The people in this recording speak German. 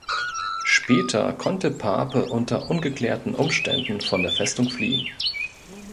Später konnte Pape unter ungeklärten Umständen von der Festung fliehen.